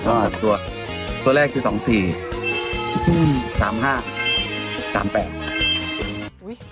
ตัวแรกคือ๒๔๓๕๓๘